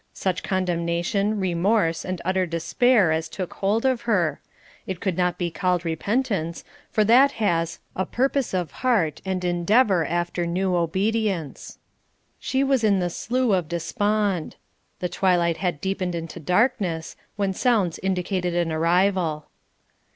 Such condemnation, remorse, and utter despair as took hold of her: it could not be called repentance, for that has "A purpose of heart and endeavour after new obedience." She was in the Slough of Despond. The twilight had deepened into darkness, when sounds indicated an arrival.